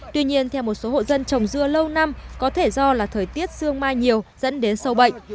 tuy nhiên theo một số hộ dân trồng dưa lâu năm có thể do là thời tiết sương mai nhiều dẫn đến sâu bệnh